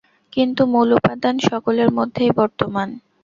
কিন্তু মূল উপাদান সকলের মধ্যেই বর্তমান।